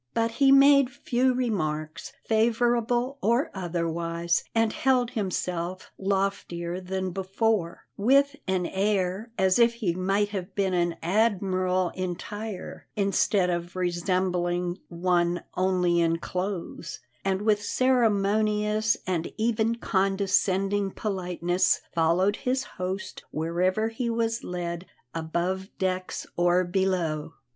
But he made few remarks, favourable or otherwise, and held himself loftier than before, with an air as if he might have been an admiral entire instead of resembling one only in clothes, and with ceremonious and even condescending politeness followed his host wherever he was led, above decks or below.